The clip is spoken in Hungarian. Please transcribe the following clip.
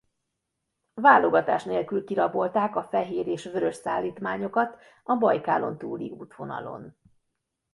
Válogatás nélkül kirabolták a fehér és vörös szállítmányokat a Bajkálon-túli útvonalon.